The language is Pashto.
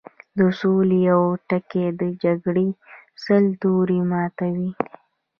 د سولې يو ټکی د جګړې سل تورې ماتوي